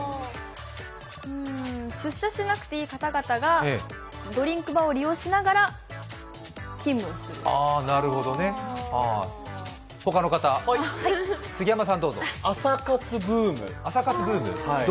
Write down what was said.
出社しなくていい方々がドリンクバーを利用しながらなるほどね、他の方？朝活ブーム。